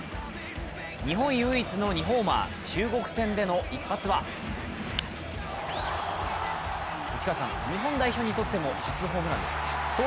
日本唯一の２ホーマー、中国戦での一発は内川さん、日本代表にとっても初ホームランでしたね。